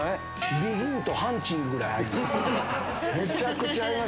ＢＥＧＩＮとハンチングぐらい合います。